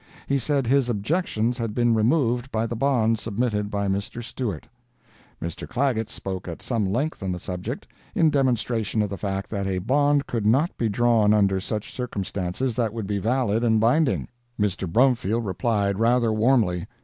He said his objections had been removed by the bond submitted by Mr. Stewart. Mr. Clagett spoke at some length on the subject, in demonstration of the fact that a bond could not be drawn under such circumstances that would be valid and binding. Mr. Brumfield replied rather warmly.